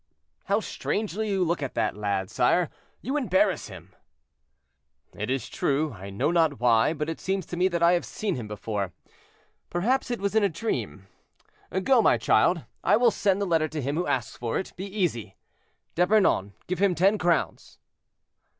"How strangely you look at the lad, sire! you embarrass him." "It is true; I know not why, but it seems to me that I have seen him before; perhaps it was in a dream. Go, my child; I will send the letter to him who asks for it; be easy. D'Epernon, give him ten crowns."